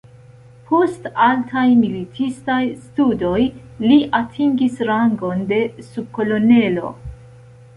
Post altaj militistaj studoj li atingis rangon de subkolonelo.